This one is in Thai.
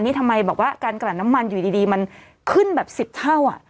นี่ทำไมบอกว่าการกลัดน้ำมันอยู่ดีมันขึ้นแบบ๑๐เท่า